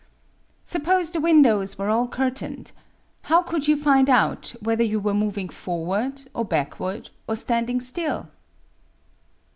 Suppose the windows were all cur tained, how could you find out whether you were mov ing forward or backward or standing still